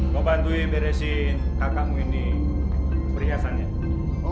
kau bantu beresin kakakmu ini perhiasannya